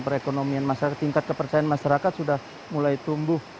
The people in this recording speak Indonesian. perekonomian masyarakat tingkat kepercayaan masyarakat sudah mulai tumbuh